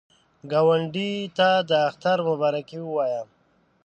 ګاونډي ته د اختر مبارکي ووایه